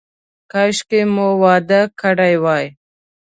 کاشکې مو واده کړی وای.